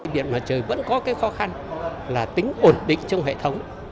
điện mặt trời vẫn có cái khó khăn là tính ổn định trong hệ thống